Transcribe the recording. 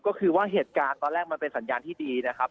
ก็คือว่าเหตุการณ์ตอนแรกมันเป็นสัญญาณที่ดีนะครับ